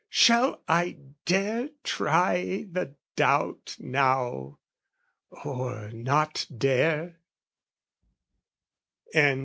Shall I dare try the doubt now, or not dare?